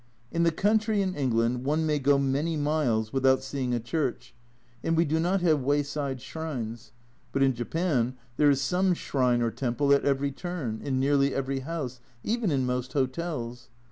In the country in England one may go many miles without seeing a church, and we do not have wayside shrines, but in Japan there is some shrine or temple at every turn, in nearly every house, even in most hotels.